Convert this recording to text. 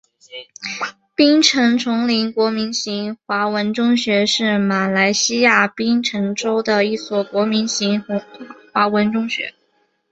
槟城锺灵国民型华文中学是马来西亚槟城州的一所国民型华文中学。